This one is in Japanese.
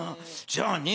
じゃあね